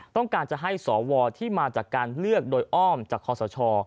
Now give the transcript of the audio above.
ต้องการจะให้สวที่มาจากการเลือกโดยอ้อมจากคอสช